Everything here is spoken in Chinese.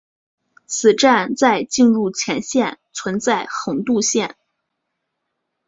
此站在进入线前存在横渡线。